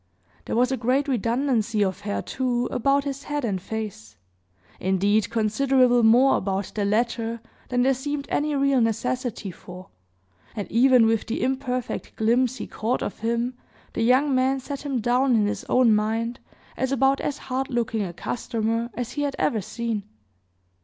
There was a great redundancy of hair, too, about his head and face, indeed considerable more about the latter than there seemed any real necessity for, and even with the imperfect glimpse he caught of him the young man set him down in his own mind as about as hard looking a customer as he had ever seen.